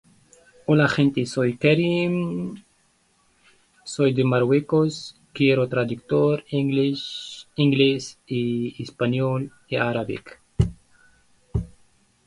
En ambos períodos legislativos fue parte de la Comisión de Relaciones Exteriores.